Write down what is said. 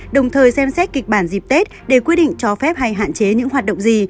đồng thời xem xét kịch bản dịp tết để quy định cho phép hay hạn chế những hoạt động gì